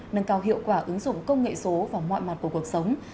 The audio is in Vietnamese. nâng cao hiệu quả ứng dụng công nghệ số vào mọi mặt của cuộc sống